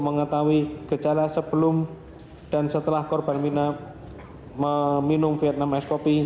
mengetahui gejala sebelum dan setelah korban mirna meminum vietnam ice coffee